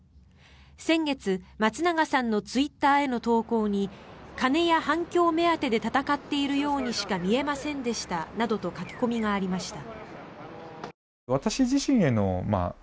先月、松永さんのツイッターへの投稿に金や反響目当てで闘っているようにしか見えませんでしたなどと書き込みがありました。